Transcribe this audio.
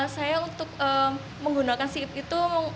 saya untuk menggunakan sip itu